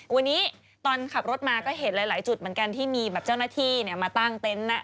วันนี้ตอนขับรถมาก็เห็นหลายจุดเหมือนกันที่มีแบบเจ้าหน้าที่มาตั้งเต็นต์